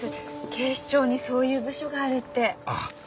警視庁にそういう部署があるって。